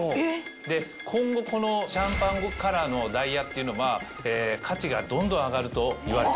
今後このシャンパンカラーのダイヤっていうのは価値がどんどん上がるといわれております。